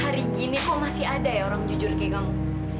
hari gini kok masih ada ya orang jujur kayak kamu